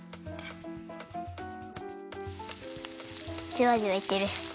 じゅわじゅわいってる。